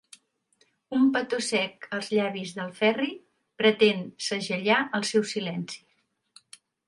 Un petó sec als llavis del Ferri pretén segellar el seu silenci.